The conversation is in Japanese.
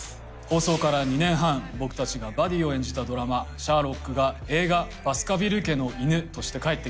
放送から２年半僕たちがバディを演じたドラマ『シャーロック』が映画『バスカヴィル家の犬』として帰ってきます。